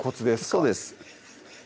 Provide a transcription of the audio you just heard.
そうです